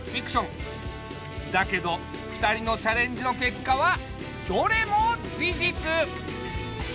だけど２人のチャレンジのけっかはどれも事実！